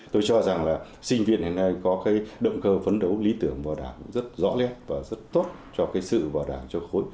tôi cho rằng là sinh viên hiện nay có cái động cơ phấn đấu lý tưởng vào đảng rất rõ lét và rất tốt cho cái sự vào đảng cho khối